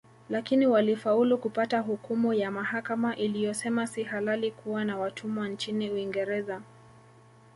Lakini walifaulu kupata hukumu ya mahakama iliyosema si halali kuwa na watumwa nchini Uingereza